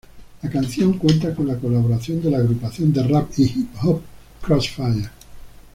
La canción cuenta con la colaboración de la agrupación de rap y hip-hop Crossfire.